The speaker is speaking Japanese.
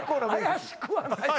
怪しくはない？